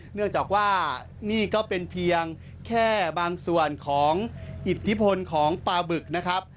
เนื่องจากว่านี่ก็เป็นเพียงแค่บางส่วนของอิทธิพลของปลาบึกนะครับ